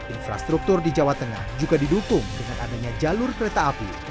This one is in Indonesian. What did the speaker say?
infrastruktur di jawa tengah juga didukung dengan adanya jalur kereta api